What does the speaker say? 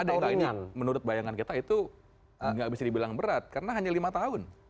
daerah ini menurut bayangan kita itu nggak bisa dibilang berat karena hanya lima tahun